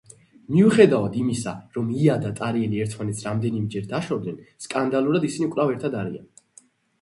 მიუხედავად იმისა, რომ ია და ტარიელი ერთმანეთს რამდენიმეჯერ დაშორდნენ სკანდალურად, ისინი კვლავ ერთად არიან.